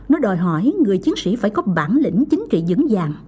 nó đòi hỏi người chiến sĩ phải có bản lĩnh chính trị dững dàng